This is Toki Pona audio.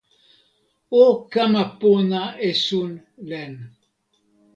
o kama pona esun len.